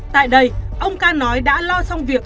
tại đây ông ca nói đã lo xong việc